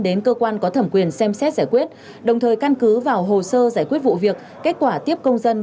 đến cơ quan có thẩm quyền xem xét giải quyết đồng thời căn cứ vào hồ sơ giải quyết vụ việc kết quả tiếp công dân